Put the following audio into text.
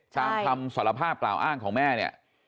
ตามคำสารภาพกล่าวอ้างของแม่เนี่ย